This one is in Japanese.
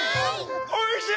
おいしい！